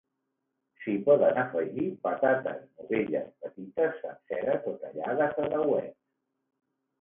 S'hi poden afegir patates novelles petites senceres o tallades a dauets.